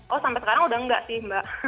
oh sampai sekarang udah enggak sih mbak